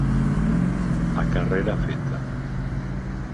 A carrera feta.